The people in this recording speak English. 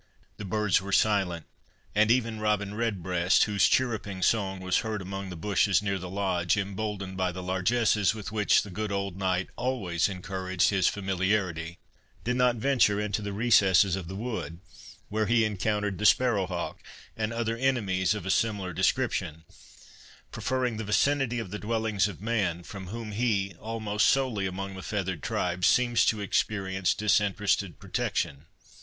The birds were silent—and even Robin redbreast, whose chirruping song was heard among the bushes near the Lodge, emboldened by the largesses with which the good old knight always encouraged his familiarity, did not venture into the recesses of the wood, where he encountered the sparrow hawk, and other enemies of a similar description, preferring the vicinity of the dwellings of man, from whom he, almost solely among the feathered tribes, seems to experience disinterested protection.